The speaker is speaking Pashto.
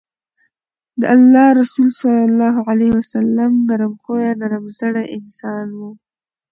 د الله رسول صلی الله عليه وسلّم نرم خويه، نرم زړی انسان وو